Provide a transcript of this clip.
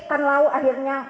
kan lau akhirnya